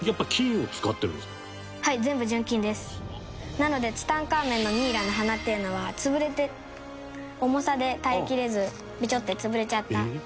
なのでツタンカーメンのミイラの鼻っていうのは潰れて重さで耐え切れずビチョって潰れちゃったらしい。